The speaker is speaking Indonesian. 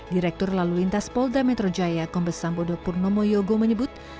direktur lalu lintas polda metro jaya kombes sambodo purnomo yogo menyebut